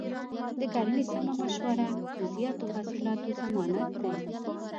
د کرنې سمه مشوره د زیاتو حاصلاتو ضمانت دی.